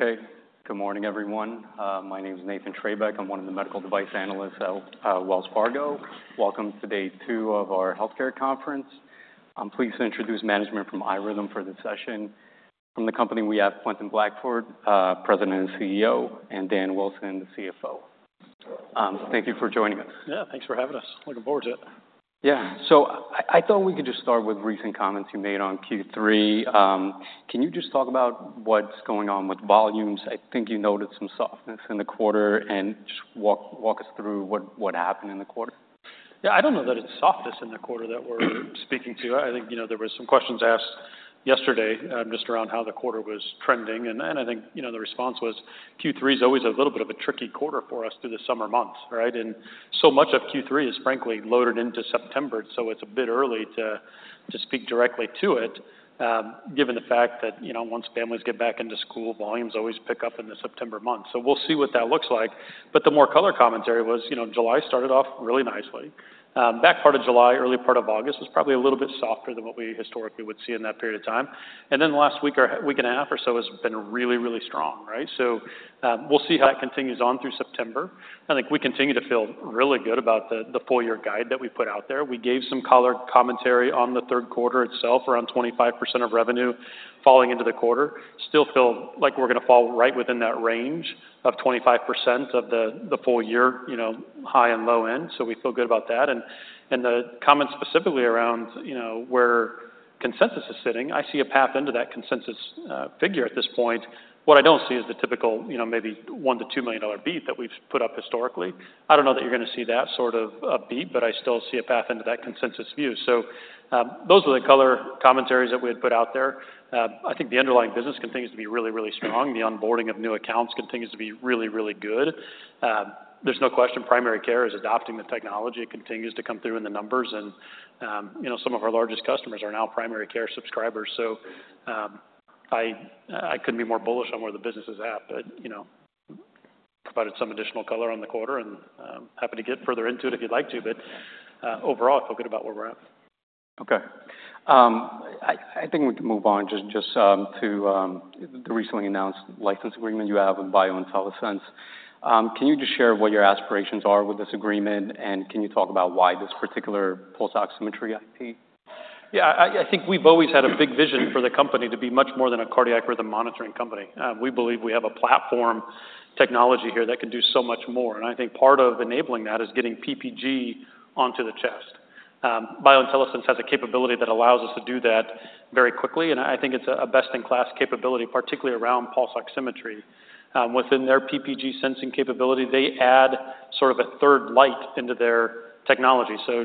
Okay. Good morning, everyone. My name is Nathan Trebeck. I'm one of the medical device analysts at Wells Fargo. Welcome to day two of our healthcare conference. I'm pleased to introduce management from iRhythm for this session. From the company, we have Quentin Blackford, President and Chief Executive Officer, and Dan Wilson, the Chief Financial Officer. Thank you for joining us. Yeah, thanks for having us. Looking forward to it. Yeah. So I thought we could just start with recent comments you made on Q3. Can you just talk about what's going on with volumes? I think you noted some softness in the quarter, and just walk us through what happened in the quarter. Yeah, I don't know that it's softness in the quarter that we're speaking to. I think, you know, there were some questions asked yesterday, just around how the quarter was trending, and I think, you know, the response was Q3 is always a little bit of a tricky quarter for us through the summer months, right? And so much of Q3 is frankly loaded into September, so it's a bit early to speak directly to it, given the fact that, you know, once families get back into school, volumes always pick up in the September month. So we'll see what that looks like. But the more color commentary was, you know, July started off really nicely. Back part of July, early part of August, was probably a little bit softer than what we historically would see in that period of time. Then the last week or week and a half or so has been really, really strong, right? So, we'll see how it continues on through September. I think we continue to feel really good about the full year guide that we put out there. We gave some color commentary on the third quarter itself, around 25% of revenue falling into the quarter. Still feel like we're gonna fall right within that range of 25% of the full year, you know, high and low end, so we feel good about that. And the comments specifically around, you know, where consensus is sitting, I see a path into that consensus figure at this point. What I don't see is the typical, you know, maybe $1 million-$2 million beat that we've put up historically. I don't know that you're gonna see that sort of a beat, but I still see a path into that consensus view. So, those are the color commentaries that we had put out there. I think the underlying business continues to be really, really strong. The onboarding of new accounts continues to be really, really good. There's no question primary care is adopting the technology. It continues to come through in the numbers, and, you know, some of our largest customers are now primary care subscribers. So, I couldn't be more bullish on where the business is at, but, you know, provided some additional color on the quarter, and happy to get further into it if you'd like to, but overall, I feel good about where we're at. Okay. I think we can move on just to the recently announced license agreement you have with BioIntelliSense. Can you just share what your aspirations are with this agreement, and can you talk about why this particular pulse oximetry IP? Yeah, I think we've always had a big vision for the company to be much more than a cardiac rhythm monitoring company. We believe we have a platform technology here that can do so much more, and I think part of enabling that is getting PPG onto the chest. BioIntelliSense has a capability that allows us to do that very quickly, and I think it's a best-in-class capability, particularly around pulse oximetry. Within their PPG sensing capability, they add sort of a third light into their technology. So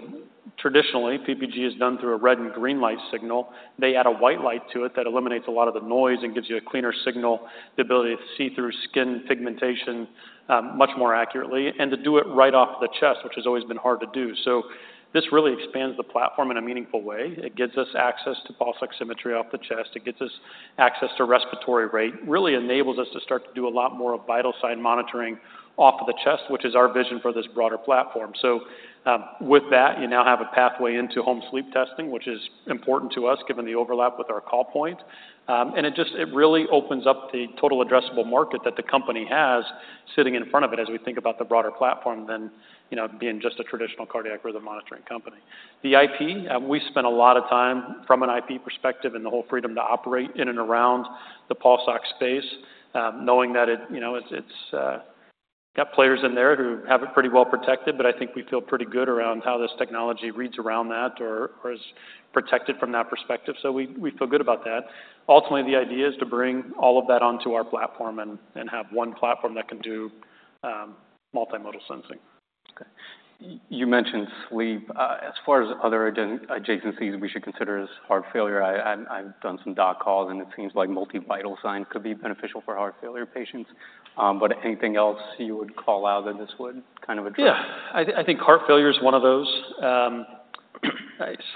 traditionally, PPG is done through a red and green light signal. They add a white light to it that eliminates a lot of the noise and gives you a cleaner signal, the ability to see through skin pigmentation, much more accurately, and to do it right off the chest, which has always been hard to do. So this really expands the platform in a meaningful way. It gives us access to pulse oximetry off the chest. It gives us access to respiratory rate, really enables us to start to do a lot more of vital sign monitoring off of the chest, which is our vision for this broader platform. So, with that, you now have a pathway into home sleep testing, which is important to us, given the overlap with our call point. And it just-- it really opens up the total addressable market that the company has, sitting in front of it, as we think about the broader platform than, you know, being just a traditional cardiac rhythm monitoring company. The IP, we spent a lot of time, from an IP perspective, and the whole freedom to operate in and around the pulse ox space, knowing that it, you know, it's got players in there who have it pretty well protected. But I think we feel pretty good around how this technology reads around that or is protected from that perspective, so we feel good about that. Ultimately, the idea is to bring all of that onto our platform and have one platform that can do multimodal sensing. Okay. You mentioned sleep. As far as other adjacencies we should consider is heart failure. I've done some doc calls, and it seems like multi-vital signs could be beneficial for heart failure patients. But anything else you would call out that this would kind of address? Yeah. I, I think heart failure is one of those.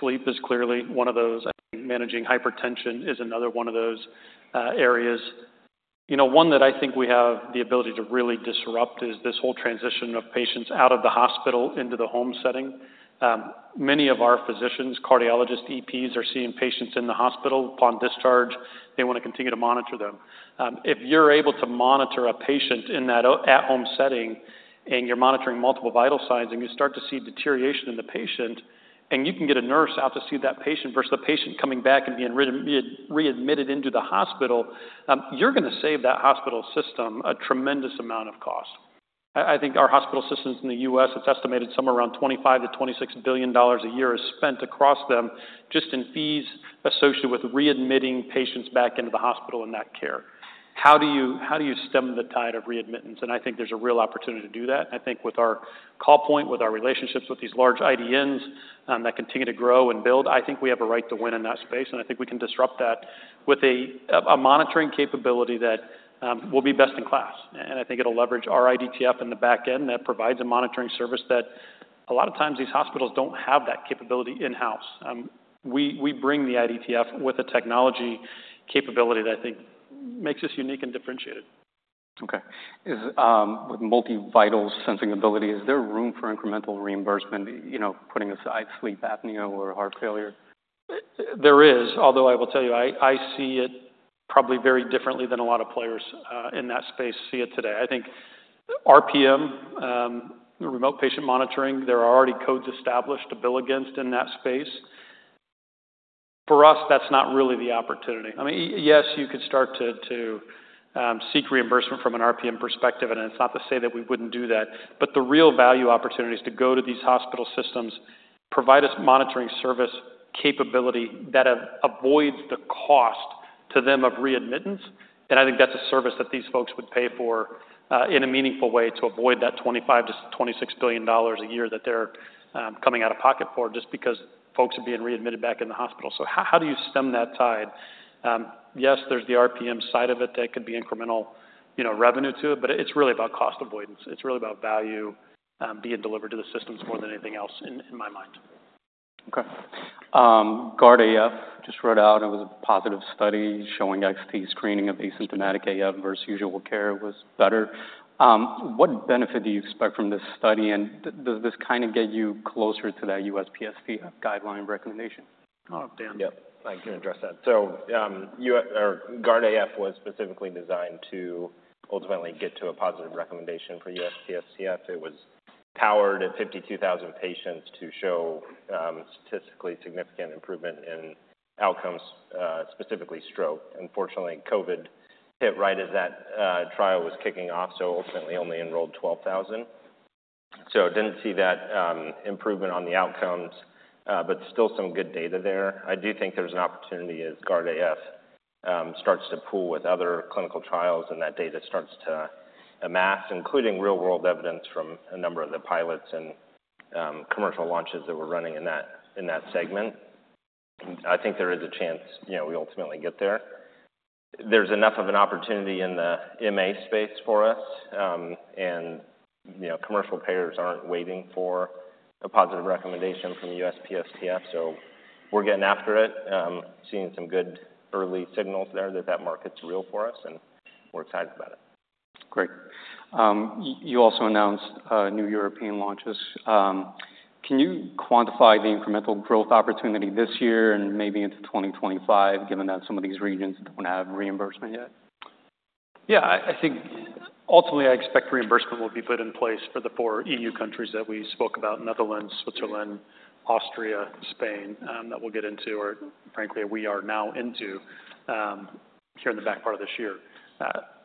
Sleep is clearly one of those. I think managing hypertension is another one of those areas. You know, one that I think we have the ability to really disrupt is this whole transition of patients out of the hospital into the home setting. Many of our physicians, cardiologists, EPs, are seeing patients in the hospital. Upon discharge, they want to continue to monitor them. If you're able to monitor a patient in that at-home setting, and you're monitoring multiple vital signs, and you start to see deterioration in the patient, and you can get a nurse out to see that patient versus the patient coming back and being re-readmitted into the hospital, you're gonna save that hospital system a tremendous amount of cost. I think our hospital systems in the U.S., it's estimated somewhere around $25-$26 billion a year is spent across them just in fees associated with readmitting patients back into the hospital and that care. How do you stem the tide of readmittance? I think there's a real opportunity to do that. I think with our call point, with our relationships with these large IDNs that continue to grow and build, I think we have a right to win in that space, and I think we can disrupt that with a monitoring capability that will be best in class, and I think it'll leverage our IDTF in the back end that provides a monitoring service that a lot of times these hospitals don't have that capability in-house. We bring the IDTF with the technology capability that I think makes us unique and differentiated.... Okay. Is, with multi-vital sensing ability, is there room for incremental reimbursement, you know, putting aside sleep apnea or heart failure? There is, although I will tell you, I see it probably very differently than a lot of players in that space see it today. I think RPM, Remote Patient Monitoring, there are already codes established to bill against in that space. For us, that's not really the opportunity. I mean, yes, you could start to seek reimbursement from an RPM perspective, and it's not to say that we wouldn't do that, but the real value opportunity is to go to these hospital systems, provide us monitoring service capability that avoids the cost to them of readmittance, and I think that's a service that these folks would pay for in a meaningful way to avoid that $25-$26 billion a year that they're coming out of pocket for, just because folks are being readmitted back in the hospital. So how do you stem that tide? Yes, there's the RPM side of it that could be incremental, you know, revenue to it, but it's really about cost avoidance. It's really about value, being delivered to the systems more than anything else in my mind. Okay. GUARD-AF just wrote out, it was a positive study showing XT screening of asymptomatic AF versus usual care was better. What benefit do you expect from this study, and does this kind of get you closer to that USPSTF guideline recommendation? Oh, Dan. Yep, I can address that, so GUARD-AF was specifically designed to ultimately get to a positive recommendation for USPSTF. It was powered at fifty-two thousand patients to show, statistically significant improvement in outcomes, specifically stroke. Unfortunately, COVID hit right as that, trial was kicking off, so ultimately only enrolled twelve thousand, so didn't see that, improvement on the outcomes, but still some good data there. I do think there's an opportunity as GUARD-AF, starts to pool with other clinical trials and that data starts to amass, including real-world evidence from a number of the pilots and, commercial launches that we're running in that, in that segment. I think there is a chance, you know, we ultimately get there. There's enough of an opportunity in the MA space for us, and, you know, commercial payers aren't waiting for a positive recommendation from the USPSTF, so we're getting after it. Seeing some good early signals there that that market's real for us, and we're excited about it. Great. You also announced new European launches. Can you quantify the incremental growth opportunity this year and maybe into 2025, given that some of these regions don't have reimbursement yet? Yeah, I think ultimately, I expect reimbursement will be put in place for the four EU countries that we spoke about, Netherlands, Switzerland, Austria, Spain, that we'll get into, or frankly, we are now into, here in the back part of this year.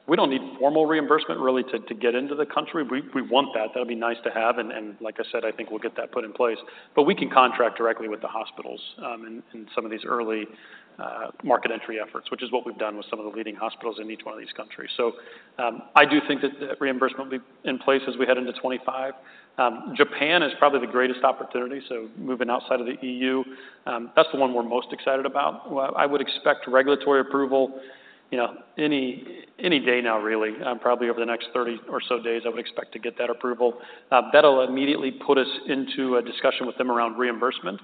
We don't need formal reimbursement really, to get into the country. We want that. That'd be nice to have, and like I said, I think we'll get that put in place. We can contract directly with the hospitals, in some of these early, market entry efforts, which is what we've done with some of the leading hospitals in each one of these countries. So, I do think that the reimbursement will be in place as we head into 2025. Japan is probably the greatest opportunity, so moving outside of the EU, that's the one we're most excited about. Well, I would expect regulatory approval, you know, any day now, really. Probably over the next thirty or so days, I would expect to get that approval. That'll immediately put us into a discussion with them around reimbursement.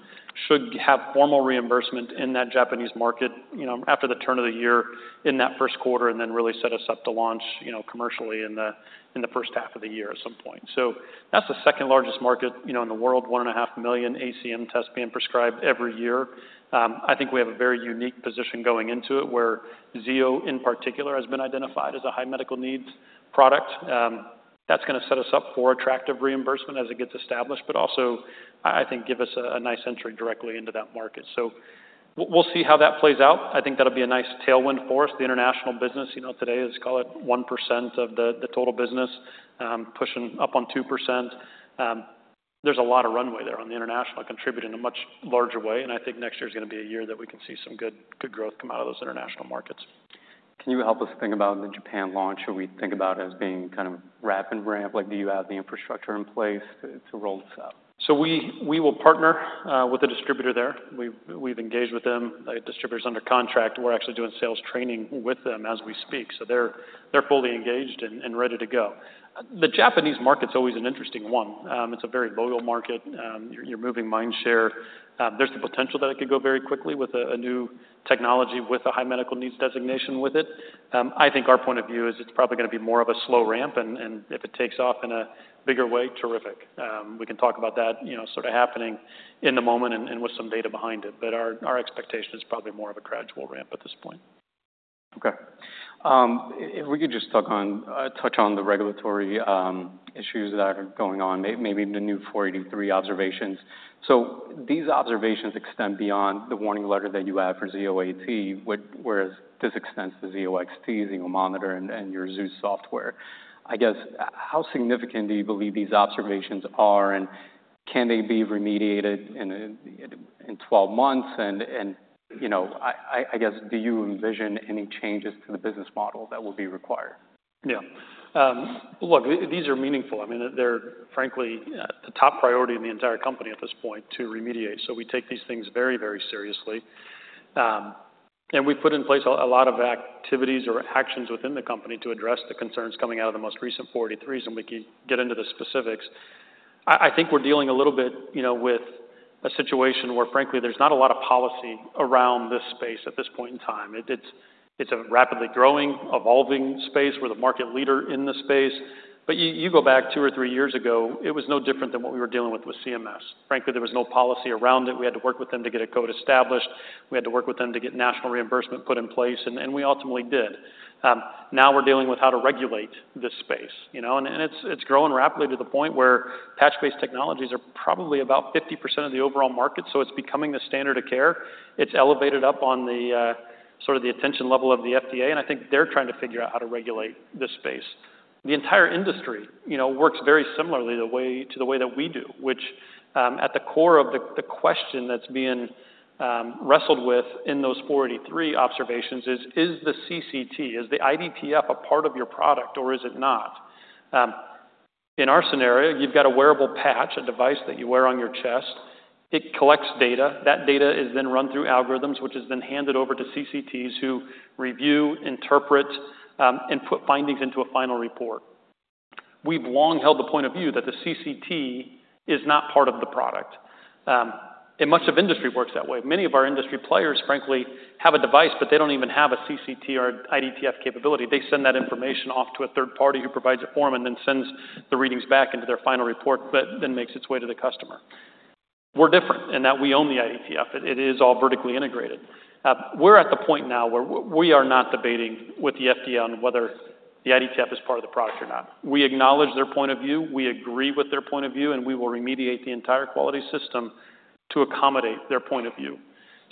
Should have formal reimbursement in that Japanese market, you know, after the turn of the year, in that first quarter, and then really set us up to launch, you know, commercially in the, in the first half of the year at some point. So that's the second largest market, you know, in the world, 1.5 million ACM tests being prescribed every year. I think we have a very unique position going into it, where Zio in particular has been identified as a high medical needs product. That's gonna set us up for attractive reimbursement as it gets established, but also, I, I think, give us a, a nice entry directly into that market. So we'll see how that plays out. I think that'll be a nice tailwind for us. The international business, you know, today is, call it, 1% of the, the total business, pushing up on 2%. There's a lot of runway there on the international, contribute in a much larger way, and I think next year's gonna be a year that we can see some good, good growth come out of those international markets. Can you help us think about the Japan launch? Or we think about as being kind of wrap and ramp, like, do you have the infrastructure in place to roll this out? So we will partner with the distributor there. We've engaged with them. The distributor's under contract. We're actually doing sales training with them as we speak, so they're fully engaged and ready to go. The Japanese market's always an interesting one. It's a very local market. You're moving mind share. There's the potential that it could go very quickly with a new technology, with a high medical needs designation with it. I think our point of view is it's probably gonna be more of a slow ramp, and if it takes off in a bigger way, terrific. We can talk about that, you know, sort of happening in the moment and with some data behind it, but our expectation is probably more of a gradual ramp at this point. Okay. If we could just touch on the regulatory issues that are going on, maybe even the new forty-three observations. So these observations extend beyond the warning letter that you have for Zio AT, whereas this extends to Zio XT, Zio Monitor, and your Zeus software. I guess, how significant do you believe these observations are, and can they be remediated in twelve months? And, you know, I guess, do you envision any changes to the business model that will be required? Yeah. Look, these are meaningful. I mean, they're frankly, the top priority in the entire company at this point to remediate, so we take these things very, very seriously, and we've put in place a lot of activities or actions within the company to address the concerns coming out of the most recent 483s, and we can get into the specifics. I think we're dealing a little bit, you know, with a situation where frankly, there's not a lot of policy around this space at this point in time. It's a rapidly growing, evolving space. We're the market leader in this space. But you go back two or three years ago, it was no different than what we were dealing with with CMS. Frankly, there was no policy around it. We had to work with them to get a code established. We had to work with them to get national reimbursement put in place, and we ultimately did. Now we're dealing with how to regulate this space, you know? And it's growing rapidly to the point where patch-based technologies are probably about 50% of the overall market, so it's becoming the standard of care. It's elevated up on the sort of the attention level of the FDA, and I think they're trying to figure out how to regulate this space. The entire industry, you know, works very similarly to the way that we do, which at the core of the question that's being wrestled with in those Form 483 observations is, is the CCT, is the IDTF a part of your product or is it not? In our scenario, you've got a wearable patch, a device that you wear on your chest. It collects data. That data is then run through algorithms, which is then handed over to CCTs, who review, interpret, and put findings into a final report. We've long held the point of view that the CCT is not part of the product, and much of industry works that way. Many of our industry players, frankly, have a device, but they don't even have a CCT or IDTF capability. They send that information off to a third party, who provides a finding and then sends the readings back into their final report, but then makes its way to the customer. We're different in that we own the IDTF. It is all vertically integrated. We're at the point now where we are not debating with the FDA on whether the IDTF is part of the product or not. We acknowledge their point of view, we agree with their point of view, and we will remediate the entire quality system to accommodate their point of view.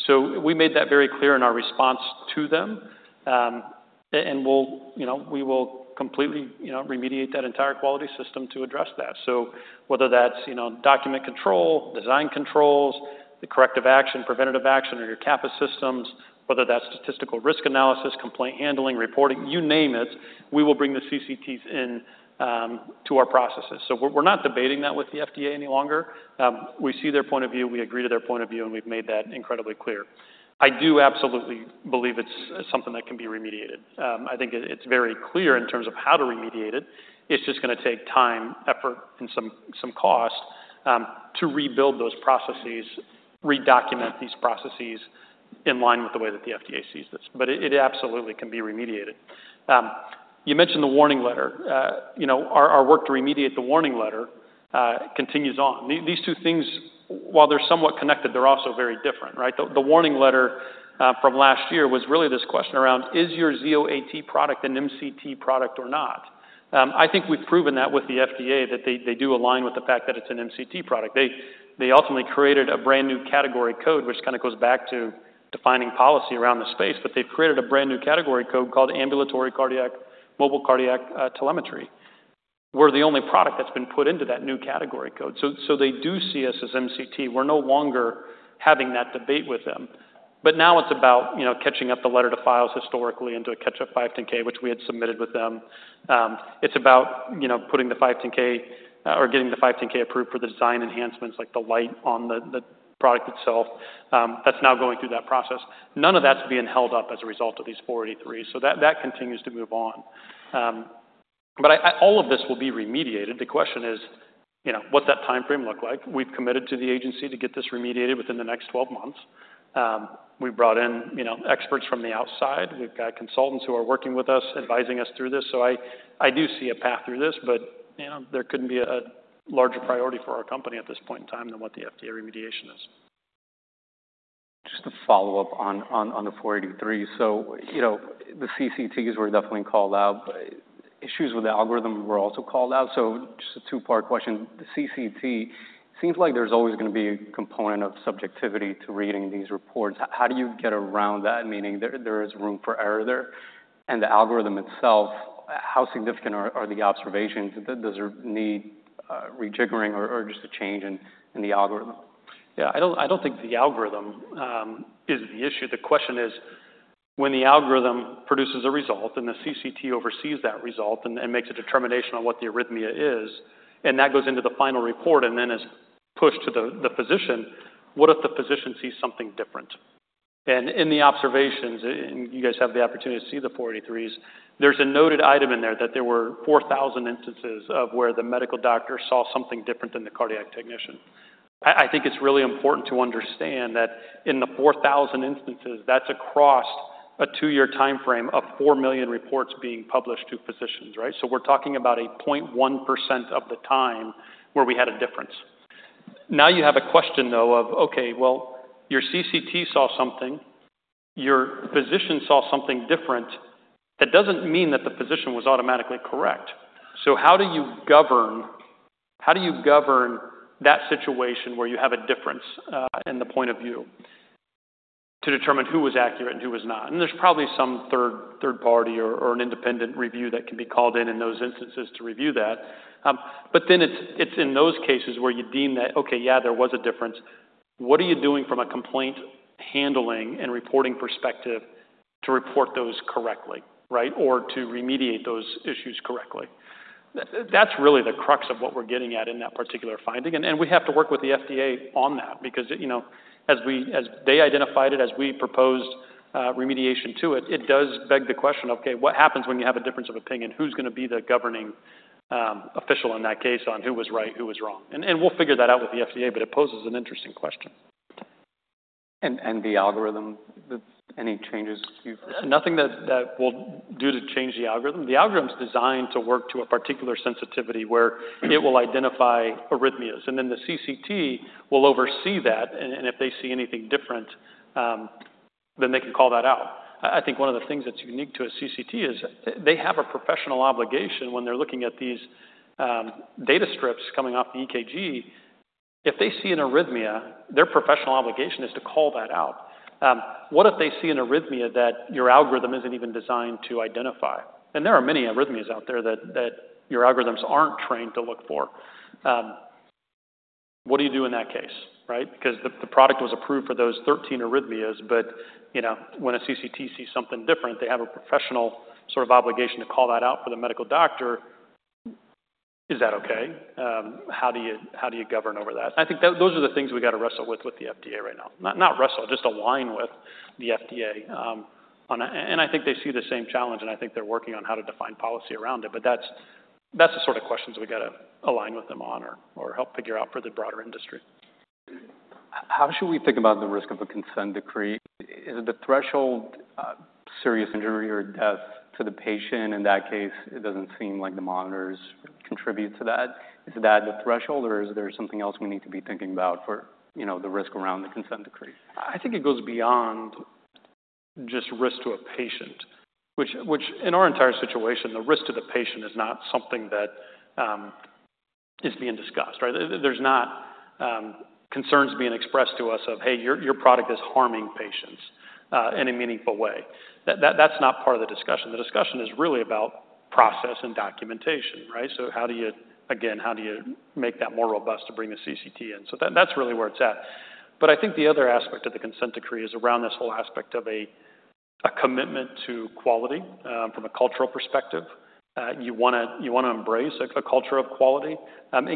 So we made that very clear in our response to them. And we'll, you know, we will completely, you know, remediate that entire quality system to address that. So whether that's, you know, document control, design controls, the corrective action, preventive action, or your CAPA systems, whether that's statistical risk analysis, complaint handling, reporting, you name it, we will bring the CCTs in to our processes. So we're not debating that with the FDA any longer. We see their point of view, we agree to their point of view, and we've made that incredibly clear. I do absolutely believe it's something that can be remediated. I think it's very clear in terms of how to remediate it. It's just gonna take time, effort, and some cost to rebuild those processes, redocument these processes in line with the way that the FDA sees this, but it absolutely can be remediated. You mentioned the warning letter. You know, our work to remediate the warning letter continues on. These two things, while they're somewhat connected, they're also very different, right? The warning letter from last year was really this question around: Is your Zio AT product an MCT product or not? I think we've proven that with the FDA, that they do align with the fact that it's an MCT product. They ultimately created a brand-new category code, which kind of goes back to defining policy around the space, but they've created a brand-new category code called Ambulatory Cardiac Mobile Cardiac Telemetry. We're the only product that's been put into that new category code. So they do see us as MCT. We're no longer having that debate with them. But now it's about, you know, catching up the letter to files historically and to catch up 510(k), which we had submitted with them. It's about, you know, putting the 510(k), or getting the 510(k) approved for the design enhancements, like the light on the product itself. That's now going through that process. None of that's being held up as a result of these Form 483s, so that continues to move on, but all of this will be remediated. The question is, you know, what's that timeframe look like? We've committed to the agency to get this remediated within the next twelve months. We've brought in, you know, experts from the outside. We've got consultants who are working with us, advising us through this, so I do see a path through this, but, you know, there couldn't be a larger priority for our company at this point in time than what the FDA remediation is. Just to follow up on the Form 483. So, you know, the CCTs were definitely called out, but issues with the algorithm were also called out. So just a two-part question: The CCT seems like there's always gonna be a component of subjectivity to reading these reports. How do you get around that, meaning there is room for error there? And the algorithm itself, how significant are the observations? Does there need rejiggering or just a change in the algorithm? Yeah, I don't think the algorithm is the issue. The question is, when the algorithm produces a result, and the CCT oversees that result and makes a determination on what the arrhythmia is, and that goes into the final report and then is pushed to the physician, what if the physician sees something different? In the observations, you guys have the opportunity to see the 483s. There's a noted item in there that there were 4,000 instances of where the medical doctor saw something different than the cardiac technician. I think it's really important to understand that in the 4,000 instances, that's across a two-year timeframe of 4 million reports being published to physicians, right? So we're talking about a 0.1% of the time where we had a difference. Now, you have a question, though, of, okay, well, your CCT saw something, your physician saw something different. That doesn't mean that the physician was automatically correct. So how do you govern? How do you govern that situation where you have a difference in the point of view, to determine who was accurate and who was not? And there's probably some third party or an independent review that can be called in in those instances to review that. But then it's in those cases where you deem that, okay, yeah, there was a difference. What are you doing from a complaint handling and reporting perspective to report those correctly, right? Or to remediate those issues correctly. That's really the crux of what we're getting at in that particular finding. We have to work with the FDA on that because, you know, as they identified it, as we proposed remediation to it, it does beg the question of, okay, what happens when you have a difference of opinion? Who's gonna be the governing official in that case on who was right, who was wrong? We'll figure that out with the FDA, but it poses an interesting question. The algorithm, any changes to you? Nothing that we'll do to change the algorithm. The algorithm's designed to work to a particular sensitivity, where it will identify arrhythmias, and then the CCT will oversee that, and if they see anything different, then they can call that out. I think one of the things that's unique to a CCT is they have a professional obligation when they're looking at these data strips coming off the EKG. If they see an arrhythmia, their professional obligation is to call that out. What if they see an arrhythmia that your algorithm isn't even designed to identify? And there are many arrhythmias out there that your algorithms aren't trained to look for. What do you do in that case, right? Because the product was approved for those thirteen arrhythmias, but, you know, when a CCT sees something different, they have a professional sort of obligation to call that out for the medical doctor. Is that okay? How do you govern over that? I think those are the things we've gotta wrestle with the FDA right now. Not wrestle, just align with the FDA, and I think they see the same challenge, and I think they're working on how to define policy around it, but that's the sort of questions we gotta align with them on or help figure out for the broader industry. How should we think about the risk of a consent decree? Is the threshold serious injury or death to the patient? In that case, it doesn't seem like the monitors contribute to that. Is that the threshold, or is there something else we need to be thinking about for, you know, the risk around the consent decree? I think it goes beyond just risk to a patient, which in our entire situation, the risk to the patient is not something that is being discussed, right? There's not concerns being expressed to us of, "Hey, your product is harming patients in a meaningful way." That's not part of the discussion. The discussion is really about process and documentation, right? So how do you again, how do you make that more robust to bring the CCT in? So that's really where it's at. But I think the other aspect of the consent decree is around this whole aspect of a commitment to quality from a cultural perspective. You wanna embrace a culture of quality, and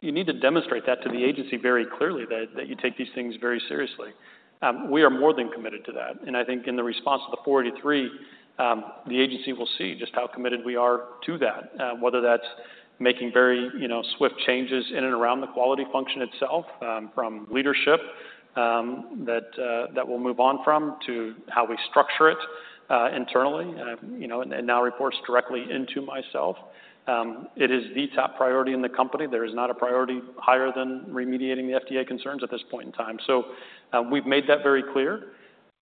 you need to demonstrate that to the agency very clearly that you take these things very seriously. We are more than committed to that, and I think in the response to the Form 483, the agency will see just how committed we are to that. Whether that's making very, you know, swift changes in and around the quality function itself, from leadership that we'll move on from, to how we structure it internally. You know, and now reports directly into myself. It is the top priority in the company. There is not a priority higher than remediating the FDA concerns at this point in time. So, we've made that very clear,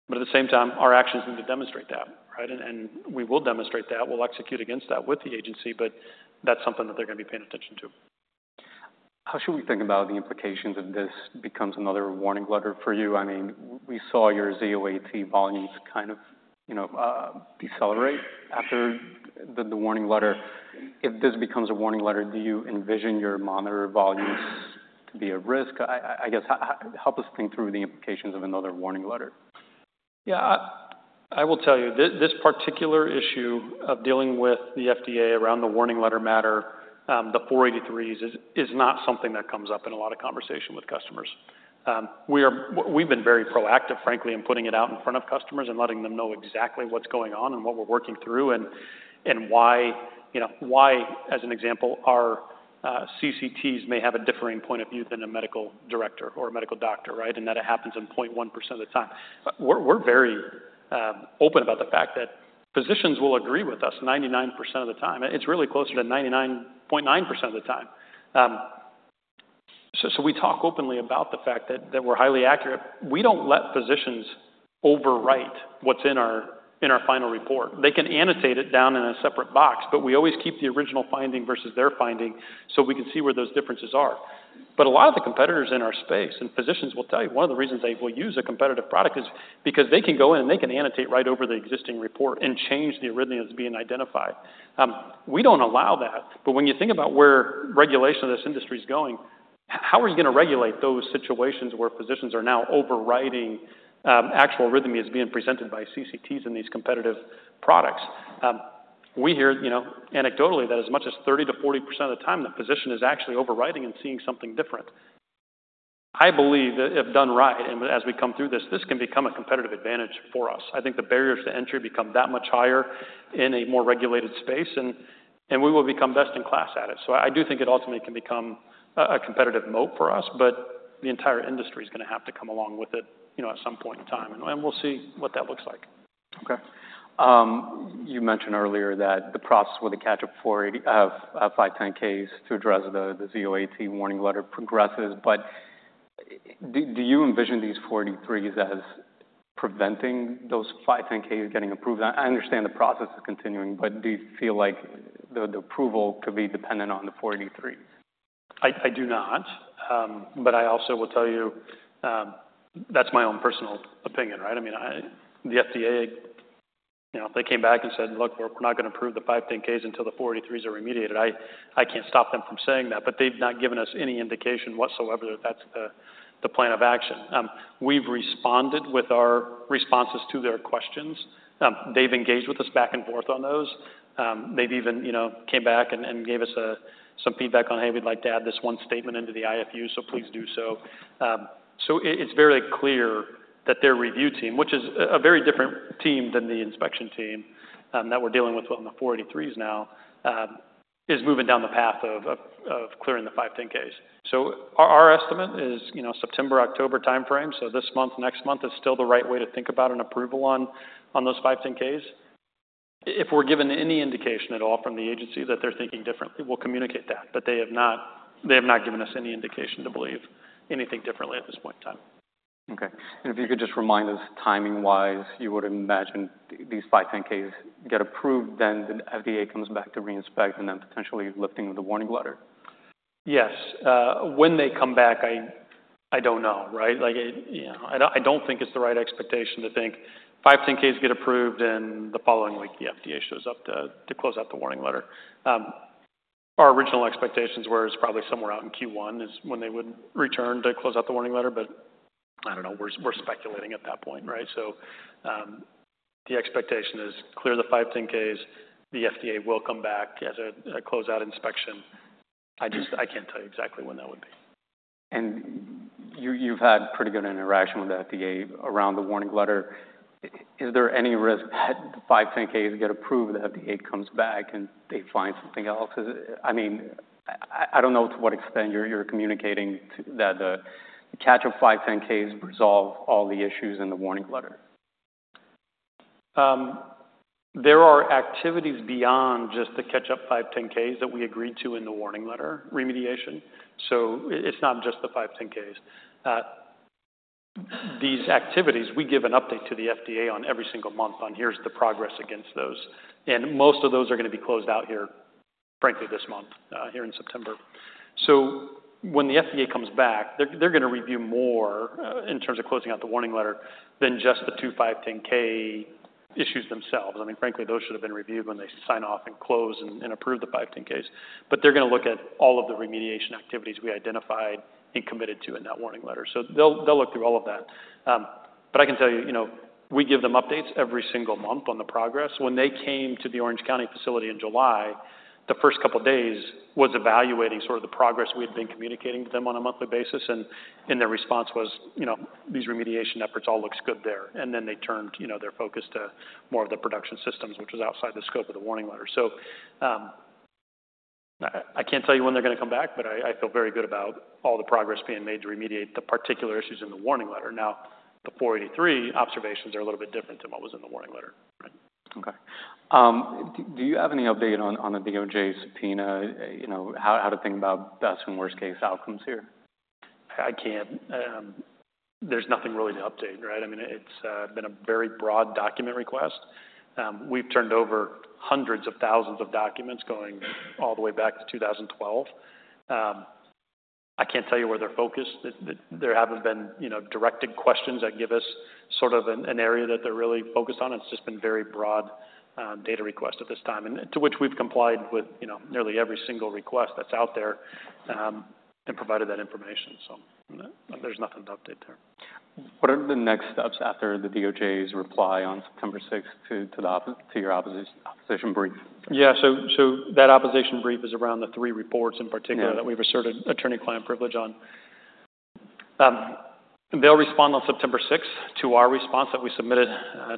but at the same time, our actions need to demonstrate that, right? And we will demonstrate that. We'll execute against that with the agency, but that's something that they're gonna be paying attention to. How should we think about the implications if this becomes another warning letter for you? I mean, we saw your Zio AT volumes kind of, you know, decelerate after the warning letter. If this becomes a warning letter, do you envision your monitor volumes to be at risk? I guess help us think through the implications of another warning letter. Yeah, I will tell you, this particular issue of dealing with the FDA around the warning letter matter, the Form 483s is not something that comes up in a lot of conversation with customers. We've been very proactive, frankly, in putting it out in front of customers and letting them know exactly what's going on and what we're working through, and why, you know, why, as an example, our CCTs may have a differing point of view than a medical director or a medical doctor, right? And that it happens 0.1% of the time. We're very open about the fact that physicians will agree with us 99% of the time, and it's really closer to 99.9% of the time. So we talk openly about the fact that we're highly accurate. We don't let physicians overwrite what's in our final report. They can annotate it down in a separate box, but we always keep the original finding versus their finding, so we can see where those differences are. But a lot of the competitors in our space, and physicians will tell you, one of the reasons they will use a competitive product is because they can go in, and they can annotate right over the existing report and change the arrhythmias being identified. We don't allow that, but when you think about where regulation of this industry is going, how are you gonna regulate those situations where physicians are now overriding actual arrhythmias being presented by CCTs in these competitive products? We hear, you know, anecdotally that as much as 30%-40% of the time, the physician is actually overriding and seeing something different. I believe that if done right, and as we come through this, this can become a competitive advantage for us. I think the barriers to entry become that much higher in a more regulated space, and we will become best-in-class at it. So I do think it ultimately can become a competitive moat for us, but the entire industry is gonna have to come along with it, you know, at some point in time, and we'll see what that looks like. Okay. You mentioned earlier that the process with the catch-up Form 483s and 510(k)s to address the FDA warning letter progresses, but do you envision these Form 483s as preventing those 510(k)s getting approved? I understand the process is continuing, but do you feel like the approval could be dependent on the Form 483? I do not, but I also will tell you, that's my own personal opinion, right? I mean, the FDA, you know, they came back and said: Look, we're not gonna approve the 510(k)s until the Form 483s are remediated. I can't stop them from saying that, but they've not given us any indication whatsoever that that's the plan of action. We've responded with our responses to their questions. They've engaged with us back and forth on those. They've even, you know, came back and gave us some feedback on, "Hey, we'd like to add this one statement into the IFU, so please do so." So it's very clear that their review team, which is a very different team than the inspection team, that we're dealing with on the Form 483s now. is moving down the path of clearing the 510(k)s. So our estimate is, you know, September, October timeframe. So this month, next month, is still the right way to think about an approval on those 510(k)s. If we're given any indication at all from the agency that they're thinking differently, we'll communicate that. But they have not given us any indication to believe anything differently at this point in time. Okay. And if you could just remind us, timing-wise, you would imagine these five 510(k)s get approved, then the FDA comes back to reinspect and then potentially lifting the warning letter? Yes. When they come back, I don't know, right? Like, you know, I don't think it's the right expectation to think five 510(k)s get approved, and the following week, the FDA shows up to close out the warning letter. Our original expectations were it's probably somewhere out in Q1 is when they would return to close out the warning letter. But I don't know, we're speculating at that point, right? So, the expectation is clear the five 510(k)s, the FDA will come back as a closeout inspection. I just can't tell you exactly when that would be. You, you've had pretty good interaction with the FDA around the warning letter. Is there any risk that the 510(k)s get approved, the FDA comes back, and they find something else? I mean, I don't know to what extent you're communicating that the batch of 510(k)s resolve all the issues in the warning letter. There are activities beyond just the catch-up 510(k)s that we agreed to in the warning letter remediation. So it, it's not just the 510(k)s. These activities, we give an update to the FDA on every single month on here's the progress against those, and most of those are gonna be closed out here, frankly, this month, here in September. So when the FDA comes back, they're, they're gonna review more, in terms of closing out the warning letter, than just the two 510(k) issues themselves. I mean, frankly, those should have been reviewed when they sign off and close and approve the 510(k)s, but they're gonna look at all of the remediation activities we identified and committed to in that warning letter. So they'll, they'll look through all of that. But I can tell you, you know, we give them updates every single month on the progress. When they came to the Orange County facility in July, the first couple days was evaluating sort of the progress we had been communicating to them on a monthly basis, and their response was, "You know, these remediation efforts all looks good there." And then they turned, you know, their focus to more of the production systems, which was outside the scope of the warning letter. So, I can't tell you when they're gonna come back, but I feel very good about all the progress being made to remediate the particular issues in the warning letter. Now, the Form 483 observations are a little bit different than what was in the warning letter, right? Okay. Do you have any update on the DOJ subpoena? You know, how to think about best and worst case outcomes here? I can't. There's nothing really to update, right? I mean, it's been a very broad document request. We've turned over hundreds of thousands of documents going all the way back to two thousand and twelve. I can't tell you where they're focused. There haven't been, you know, directed questions that give us sort of an area that they're really focused on. It's just been very broad data request at this time, and to which we've complied with, you know, nearly every single request that's out there, and provided that information. So there's nothing to update there. What are the next steps after the DOJ's reply on September sixth to your opposition brief? Yeah, so that opposition brief is around the three reports, in particular- Yeah... that we've asserted attorney-client privilege on. They'll respond on September sixth to our response that we submitted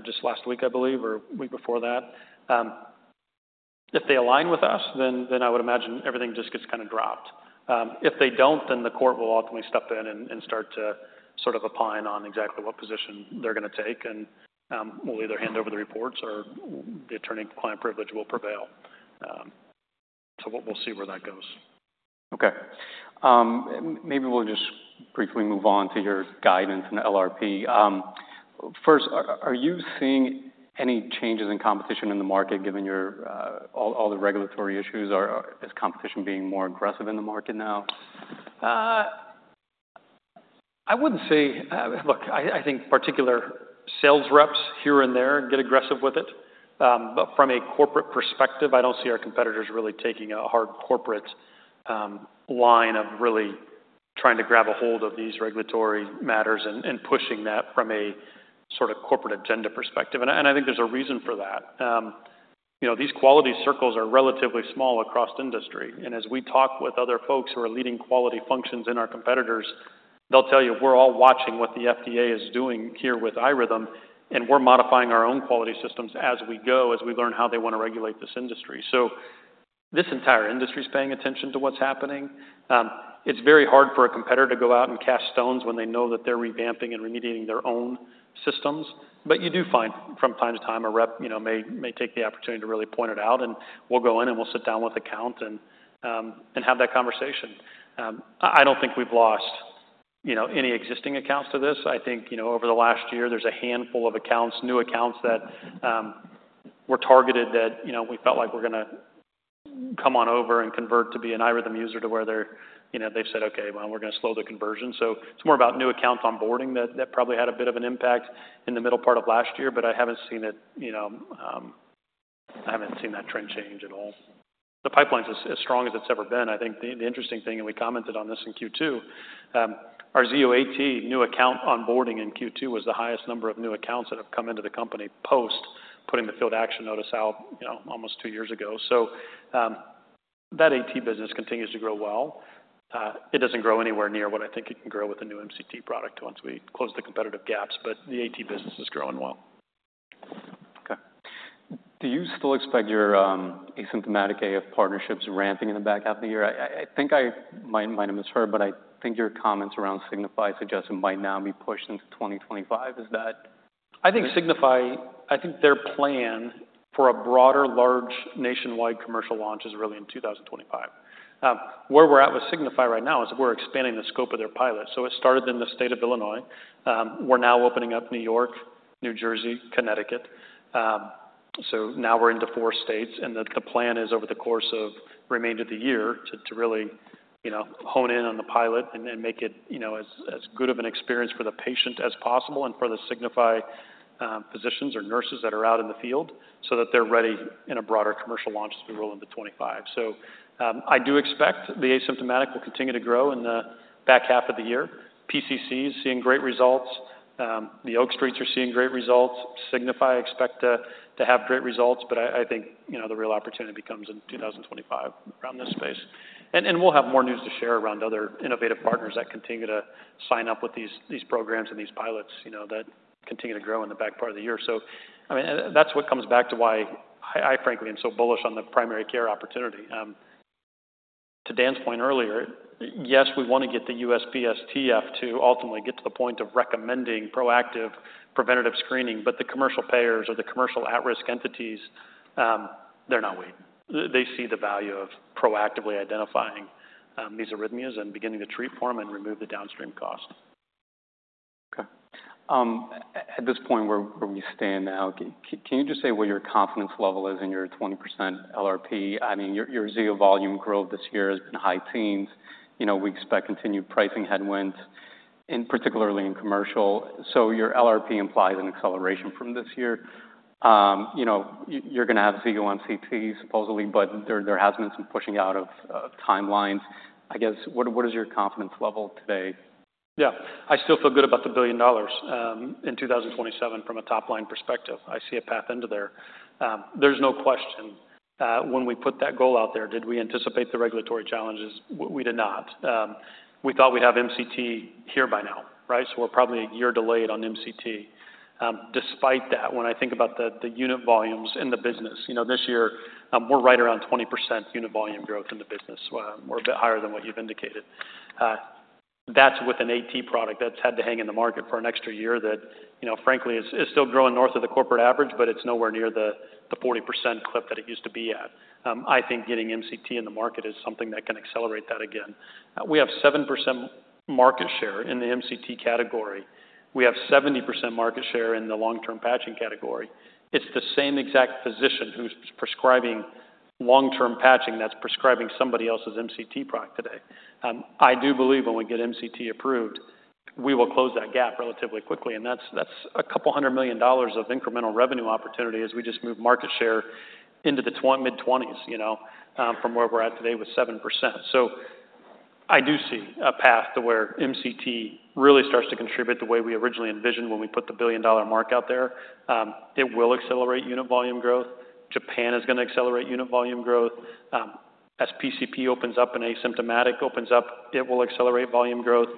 just last week, I believe, or week before that. If they align with us, then I would imagine everything just gets kinda dropped. If they don't, then the court will ultimately step in and start to sort of opine on exactly what position they're gonna take. And we'll either hand over the reports, or the attorney-client privilege will prevail. So we'll see where that goes. Okay. Maybe we'll just briefly move on to your guidance and LRP. First, are you seeing any changes in competition in the market, given all the regulatory issues, or is competition being more aggressive in the market now? I wouldn't say. Look, I think particular sales reps here and there get aggressive with it, but from a corporate perspective, I don't see our competitors really taking a hard corporate line of really trying to grab a hold of these regulatory matters and pushing that from a sort of corporate agenda perspective, and I think there's a reason for that. You know, these quality circles are relatively small across industry, and as we talk with other folks who are leading quality functions in our competitors, they'll tell you, "We're all watching what the FDA is doing here with iRhythm, and we're modifying our own quality systems as we go, as we learn how they want to regulate this industry," so this entire industry's paying attention to what's happening. It's very hard for a competitor to go out and cast stones when they know that they're revamping and remediating their own systems. But you do find, from time to time, a rep, you know, may take the opportunity to really point it out, and we'll go in, and we'll sit down with account and have that conversation. I don't think we've lost, you know, any existing accounts to this. I think, you know, over the last year, there's a handful of accounts, new accounts, that were targeted that, you know, we felt like were gonna come on over and convert to be an iRhythm user, to where they're, you know, they've said, "Okay, well, we're gonna slow the conversion." So it's more about new accounts onboarding that probably had a bit of an impact in the middle part of last year, but I haven't seen it, you know, I haven't seen that trend change at all. The pipeline's as strong as it's ever been. I think the interesting thing, and we commented on this in Q2, our Zio AT new account onboarding in Q2, was the highest number of new accounts that have come into the company post putting the field action notice out, you know, almost two years ago. So, that AT business continues to grow well. It doesn't grow anywhere near what I think it can grow with the new MCT product once we close the competitive gaps, but the AT business is growing well.... Okay. Do you still expect your asymptomatic AF partnerships ramping in the back half of the year? I think I might have misheard, but I think your comments around Signify suggest it might now be pushed into 2025 Is that- I think Signify, I think their plan for a broader, large nationwide commercial launch is really in. Where we're at with Signify right now is we're expanding the scope of their pilot, so it started in the state of Illinois. We're now opening up New York, New Jersey, Connecticut, so now we're into four states, and the plan is over the course of remainder of the year to really, you know, hone in on the pilot and make it, you know, as good of an experience for the patient as possible and for the Signify physicians or nurses that are out in the field so that they're ready in a broader commercial launch as we roll into 2025, so I do expect the asymptomatic will continue to grow in the back half of the year. PCP is seeing great results. The Oak Streets are seeing great results. Signify expect to have great results, but I think, you know, the real opportunity comes in 2025 around this space. And we'll have more news to share around other innovative partners that continue to sign up with these programs and these pilots, you know, that continue to grow in the back part of the year. So I mean, and that's what comes back to why I frankly am so bullish on the primary care opportunity. To Dan's point earlier, yes, we wanna get the USPSTF to ultimately get to the point of recommending proactive preventative screening, but the commercial payers or the commercial at-risk entities, they're not waiting. They see the value of proactively identifying, these arrhythmias and beginning to treat for them and remove the downstream cost. Okay. At this point, where we stand now, can you just say where your confidence level is in your 20% LRP? I mean, your Zio volume growth this year has been high teens. You know, we expect continued pricing headwinds, particularly in commercial. So your LRP implies an acceleration from this year. You know, you're gonna have Zio MCT, supposedly, but there has been some pushing out of timelines. I guess, what is your confidence level today? Yeah. I still feel good about the $1 billion in 2027 from a top-line perspective. I see a path into there. There's no question when we put that goal out there, did we anticipate the regulatory challenges? We did not. We thought we'd have MCT here by now, right? So we're probably a year delayed on MCT. Despite that, when I think about the unit volumes in the business, you know, this year, we're right around 20% unit volume growth in the business. We're a bit higher than what you've indicated. That's with an AT product that's had to hang in the market for an extra year that, you know, frankly, is still growing north of the corporate average, but it's nowhere near the 40% clip that it used to be at. I think getting MCT in the market is something that can accelerate that again. We have 7% market share in the MCT category. We have 70% market share in the long-term patching category. It's the same exact physician who's prescribing long-term patching, that's prescribing somebody else's MCT product today. I do believe when we get MCT approved, we will close that gap relatively quickly, and that's, that's $200 million of incremental revenue opportunity as we just move market share into the mid-twenties, you know, from where we're at today with 7%. So I do see a path to where MCT really starts to contribute the way we originally envisioned when we put the $1 billion mark out there. It will accelerate unit volume growth. Japan is gonna accelerate unit volume growth. As PCP opens up and asymptomatic opens up, it will accelerate volume growth.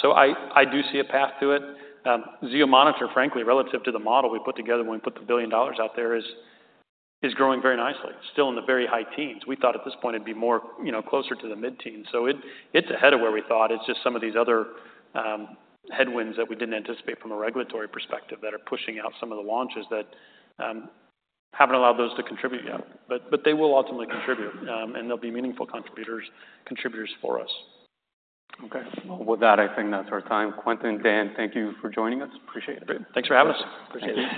So I do see a path to it. Zio Monitor, frankly, relative to the model we put together when we put the $1 billion out there, is growing very nicely, still in the very high teens. We thought at this point it'd be more, you know, closer to the mid-teens. So it's ahead of where we thought. It's just some of these other headwinds that we didn't anticipate from a regulatory perspective that are pushing out some of the launches that haven't allowed those to contribute yet. But they will ultimately contribute, and they'll be meaningful contributors for us. Okay. Well, with that, I think that's our time. Quentin, Dan, thank you for joining us. Appreciate it. Thanks for having us. Appreciate it.